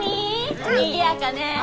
にぎやかね！